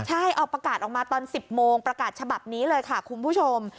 ใช่ออกประกาศออกมาตอน๑๐โมงประกาศฉบับนี้เลยค่ะคุณผู้ชม